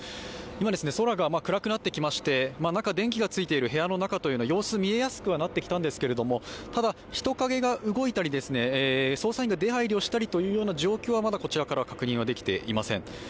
今、空が暗くなってきまして中、電気がついている部屋の中様子、見えやすくはなったんですがただ、人影が動いたり、捜査員が出入りしているという状況はまだこちらからは確認できていません。